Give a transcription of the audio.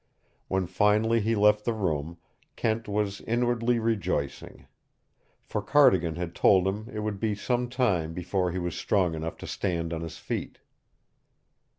When finally he left the room, Kent was inwardly rejoicing. For Cardigan had told him it would be some time before he was strong enough to stand on his feet.